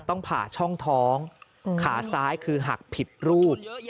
ต้องผ่าช่องท้องขาซ้ายคือหักผิดรูด